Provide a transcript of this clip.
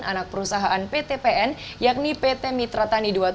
anak perusahaan ptpn yakni pt mitra tani dua puluh tujuh